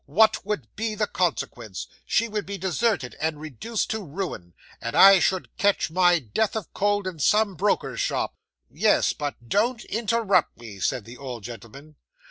What would be the consequence? She would be deserted and reduced to ruin, and I should catch my death of cold in some broker's shop." '"Yes, but " '"Don't interrupt me," said the old gentleman.